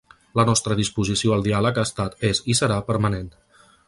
La nostra disposició al diàleg ha estat, és i serà permanent.